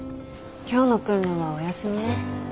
今日の訓練はお休みね。